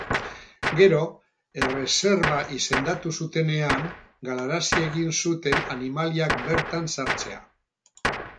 Gero, erreserba izendatu zutenean, galarazi egin zuten animaliak bertan sartzea.